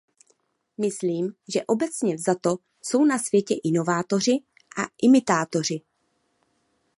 Myslím, že obecně vzato jsou na světě inovátoři a imitátoři.